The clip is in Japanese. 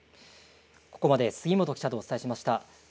ここまで杉本記者とお伝えしました。